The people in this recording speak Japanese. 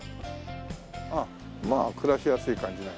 うんまあ暮らしやすい感じな。